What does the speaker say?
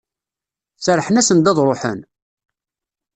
Serrḥen-asen-d ad d-ruḥen?